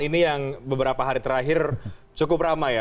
ini yang beberapa hari terakhir cukup ramai ya